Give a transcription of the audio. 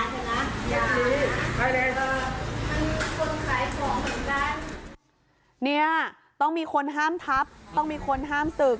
มันมีคนขายของเหมือนกันเนี้ยต้องมีคนห้ามทับต้องมีคนห้ามตึก